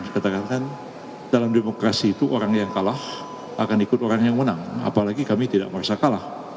katakan dalam demokrasi itu orang yang kalah akan ikut orang yang menang apalagi kami tidak merasa kalah